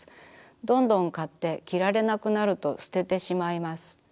どんどん買って着られなくなると捨ててしまいます。